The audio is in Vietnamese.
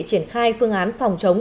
triển khai phương án phòng chống